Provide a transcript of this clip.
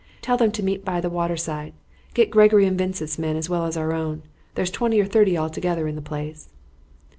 Tell them to meet by the water side. Get Gregory and Vincent's men as well as our own. There's twenty or thirty altogether in the place."